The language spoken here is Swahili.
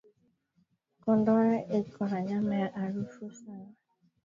Kondolo iko na nyama ya arufu sana